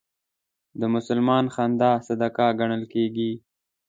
د مسلمان خندا صدقه ګڼل کېږي.